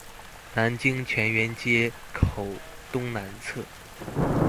南京泉源街口東南側